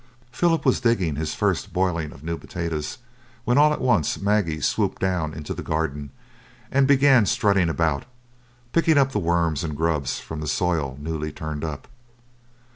Philip was digging his first boiling of new potatoes, when all at once Maggie swooped down into the garden, and began strutting about, and picking up the worms and grubs from the soil newly turned up.